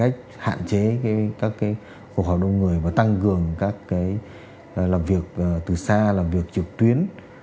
với những cái hạn chế các cái cuộc họp đông người và tăng cường các cái làm việc từ xa làm việc trực tuyến